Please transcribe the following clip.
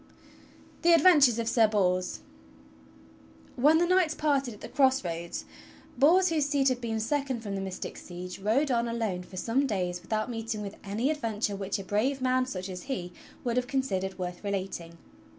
THE ADVENTURES OF SIR BORS When the knights parted at the cross roads, Bors whose seat had been second from the mystic Siege rode on alone for some days with out meeting with any adventure which a brave man, such as he, would have considered worth relating.